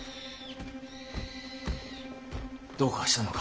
どうかしたのか？